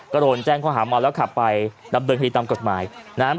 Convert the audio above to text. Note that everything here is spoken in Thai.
ก็โดนแจ้งข้อหามาแล้วขับไปดำเบินคลิตรำกฎหมายนะฮะ